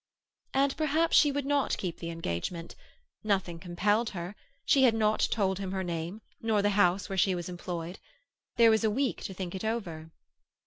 And perhaps she would not keep the engagement. Nothing compelled her. She had not told him her name, nor the house where she was employed. There was a week to think it over.